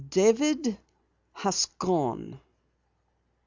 David has gone."